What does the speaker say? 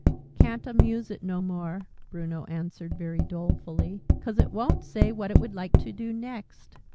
"Ca'n't amuse it no more," Bruno answered, very dolefully, "'cause it won't say what it would like to do next!